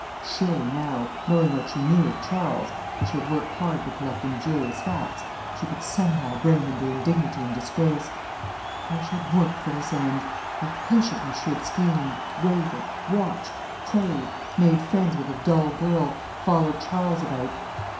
Surely now, knowing what she knew of Charles (for she had worked hard to collect injurious facts), she could somehow bring him to indignity and disgrace. How she had worked for this end! How patiently she had schemed, waited, watched, prayed, made friends with a dull girl, followed Charles about....